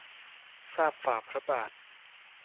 ทราบฝ่าพระบาท